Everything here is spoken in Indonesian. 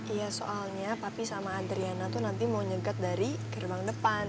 iya soalnya papi sama adriana tuh nanti mau nyegat dari gerbang depan